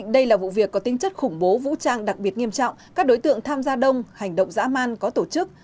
đây là vụ việc có tinh chất khủng bố vũ trang đặc biệt nghiêm trọng các đối tượng tham gia đông hành động dã man có tổ chức